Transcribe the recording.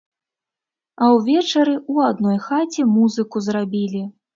А ўвечары ў адной хаце музыку зрабілі.